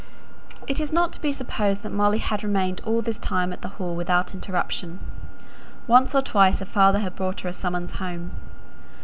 It is not to be supposed that Molly had remained all this time at the Hall without interruption. Once or twice her father had brought her a summons home.